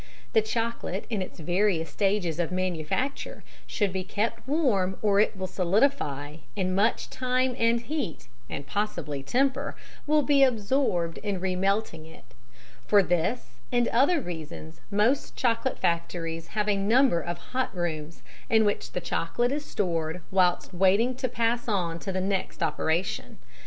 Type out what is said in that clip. The chocolate in its various stages of manufacture, should be kept warm or it will solidify and much time and heat (and possibly temper) will be absorbed in remelting it; for this and other reasons most chocolate factories have a number of hot rooms, in which the chocolate is stored whilst waiting to pass on to the next operation.